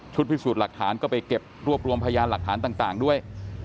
พิสูจน์หลักฐานก็ไปเก็บรวบรวมพยานหลักฐานต่างด้วย